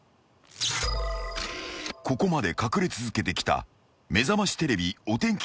［ここまで隠れ続けてきた『めざましテレビ』お天気